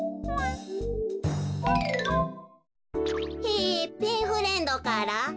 へえペンフレンドから？